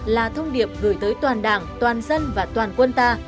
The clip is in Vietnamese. là thông điệp gửi tới toàn đảng toàn dân và toàn quân ta